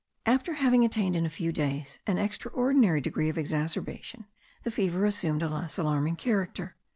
After having attained in a few days an extraordinary degree of exacerbation the fever assumed a less alarming character.